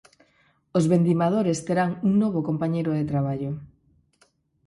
Os vendimadores terán un novo compañeiro de traballo.